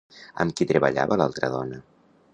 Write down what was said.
Amb qui treballava l'altra dona?